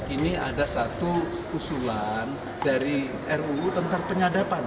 ini ada satu usulan dari ruu tentang penyadapan